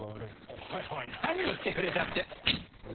おいおい何言ってくれちゃって。